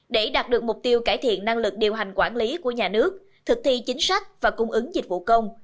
để đạt được mục tiêu cải thiện năng lực điều hành quản lý của nhà nước thực thi chính sách và cung ứng dịch vụ công